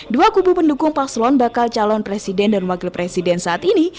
dua kubu pendukung paslon bakal calon presiden dan wakil presiden saat ini